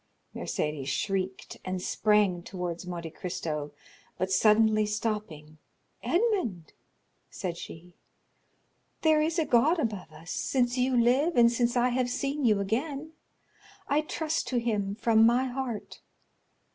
Mercédès shrieked, and sprang towards Monte Cristo, but, suddenly stopping, "Edmond," said she, "there is a God above us, since you live and since I have seen you again; I trust to him from my heart.